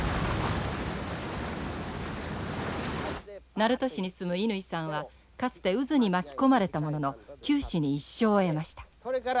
鳴門市に住む乾さんはかつて渦に巻き込まれたものの九死に一生を得ました。